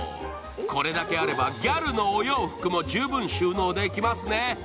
これだけあればギャルのお洋服も十分収納できますね。